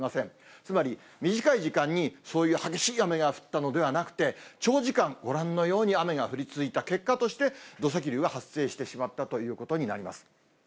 つまり、短い時間にそういう激しい雨が降ったのではなくて、長時間、ご覧のように雨が降り続いた結果として、土石流が発生してしまったということになります。